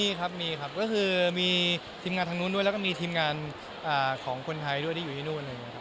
มีครับมีครับก็คือมีทีมงานทางนู้นด้วยแล้วก็มีทีมงานของคนไทยด้วยที่อยู่ที่นู่นอะไรอย่างนี้ครับ